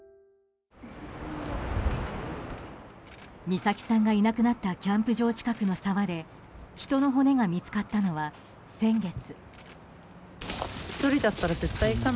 美咲さんがいなくなったキャンプ場近くの沢で人の骨が見つかったのは先月。